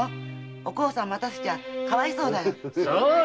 お甲さんを待たせちゃかわいそうだよ。